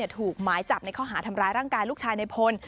ถูกหมายจับในข้อหาทำร้ายร่างกายลูกชายในพล